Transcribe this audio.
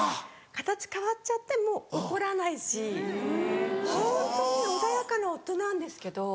形変わっちゃっても怒らないしホントに穏やかな夫なんですけど。